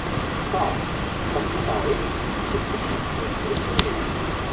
Kā? Kas tā ir? Kur tu par to dzirdēji?